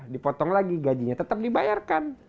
dipotong lagi gajinya tetap dibayarkan